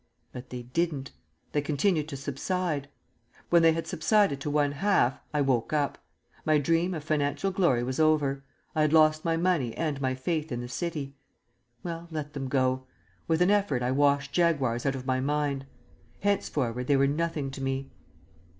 But they didn't. They continued to subside. When they had subsided to 1/2 I woke up. My dream of financial glory was over. I had lost my money and my faith in the City; well, let them go. With an effort I washed Jaguars out of my mind. Henceforward they were nothing to me.